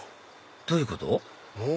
どういうこと？